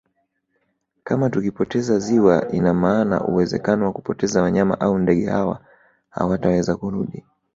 Kama tukipoteza ziwa ina maana uwezekano wa kupoteza wanyama au ndege hawa hawataweza kurudi